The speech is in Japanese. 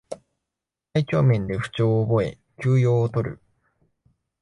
体調面で不調を覚え休養をとる